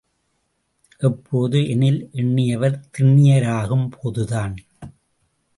எப்போது? எனில் எண்ணியவர் திண்ணியராகும் போது தான்.